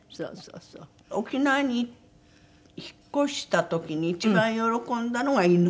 沖縄に引っ越した時に一番喜んだのが犬。